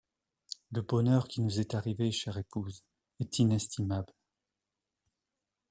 Le bonheur qui nous est arrivé, chère épouse, est inestimable.